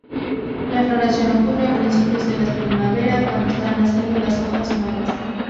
La floración ocurre a principios de la primavera, cuando están naciendo las hojas nuevas.